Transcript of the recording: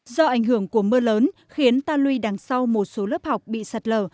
do ảnh hưởng của mưa lớn khiến ta lui đằng sau một số lớp học bị sạt lở